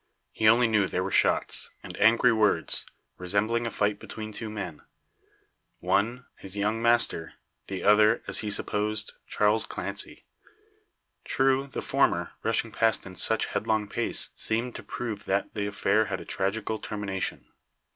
He only knew there were shots, and angry words, resembling a fight between two men; one his young master; the other, as he supposed, Charles Clancy. True, the former, rushing past in such headlong pace, seemed to prove that the affair had a tragical termination.